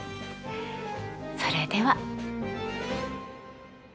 それでは。